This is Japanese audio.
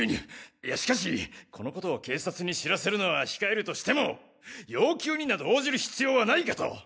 いやしかしこの事を警察に知らせるのは控えるとしても要求になど応じる必要はないかと。